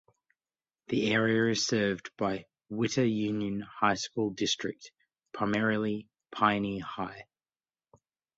The area is served by the Whittier Union High School District, primarily Pioneer High.